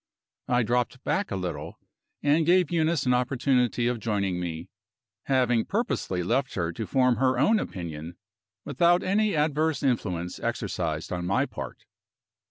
I dropped back a little, and gave Eunice an opportunity of joining me; having purposely left her to form her own opinion, without any adverse influence exercised on my part.